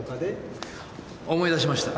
思い出しました。